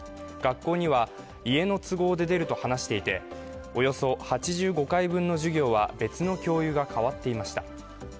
学校には家の都合で出ると話していて、およそ８５回分の授業は別の教諭が代わっていました。